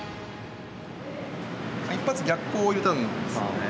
一発逆光を入れたんですね。